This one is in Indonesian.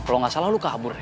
lo nggak salah lo kabur ya